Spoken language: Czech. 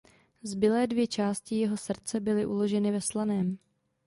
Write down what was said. Zbylé dvě části jeho srdce byly uloženy ve Slaném.